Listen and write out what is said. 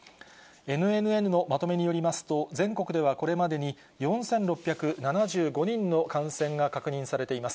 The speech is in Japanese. ＮＮＮのまとめによりますと、全国ではこれまでに、４６７５人の感染が確認されています。